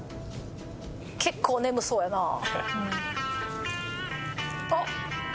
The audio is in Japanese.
結構眠そうやなあ。